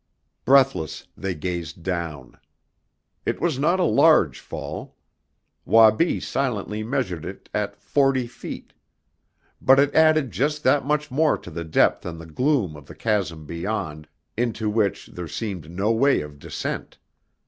Breathless they gazed down. It was not a large fall. Wabi silently measured it at forty feet. But it added just that much more to the depth and the gloom of the chasm beyond, into which there seemed no way of descent.